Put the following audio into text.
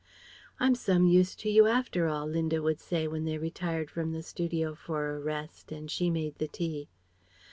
"I'm some use to you after all," Linda would say when they retired from the studio for a rest and she made the tea.